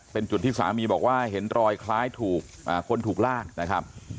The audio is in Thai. เป็นจุดที่สามีบอกว่าเห็นรอยคล้ายถูกคนถูกลากนะครับ